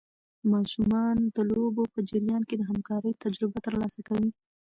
ماشومان د لوبو په جریان کې د همکارۍ تجربه ترلاسه کوي.